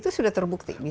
itu sudah terbukti